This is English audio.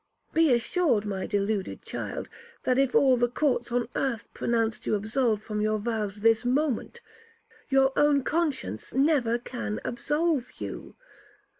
Be assured, my deluded child, that if all the courts on earth pronounced you absolved from your vows this moment, your own conscience never can absolve you.